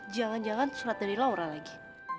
jangan jangan surat dari laura lagi